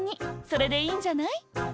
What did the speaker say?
それでいいんじゃない？